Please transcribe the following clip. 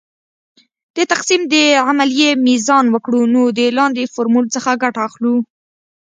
د تقسیم د عملیې میزان وکړو نو د لاندې فورمول څخه ګټه اخلو .